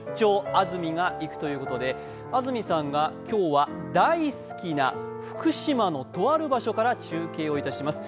安住が行く！」ということで、安住さんが今日は大好きな福島の中継をいたします。